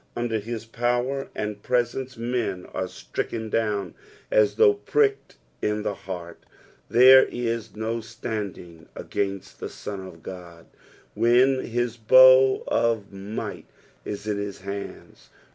Under his power and presence, men are stricken down as though pricked in the heart. There a no standing against the Son of Ood when his bow of might is in his hands.